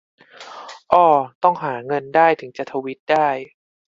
อ้อ ต้องหาเงินได้ถึงจะทวีตได้